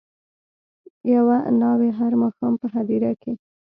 یوه ناوي هر ماښام په هدیره کي